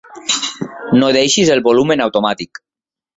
No deixis el volum en automàtic.